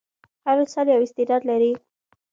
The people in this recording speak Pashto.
هر انسان یو استعداد لري.